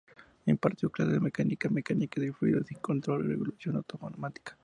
Impartió clases de Mecánica, Mecánica de Fluidos y Control y Regulación automática.